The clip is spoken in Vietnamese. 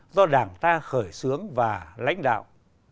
do đảng ta khởi xướng và lãnh đạo